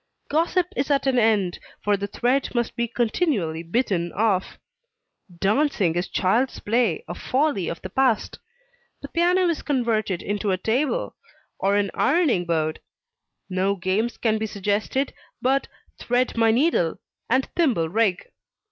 Gossip is at an end, for the thread must be continually bitten off. Dancing is child's play, a folly of the past. The piano is converted into a table, or an ironing board. No games can be suggested but Thread my needle, and Thimble rig.